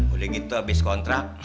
udah gitu abis kontrak